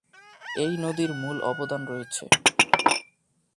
এই নদীর মূল অবদান রয়েছে।